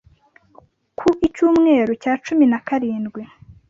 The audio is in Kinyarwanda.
ku Icyumweru cya cumi na karindwi